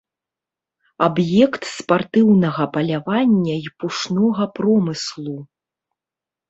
Аб'ект спартыўнага палявання і пушнога промыслу.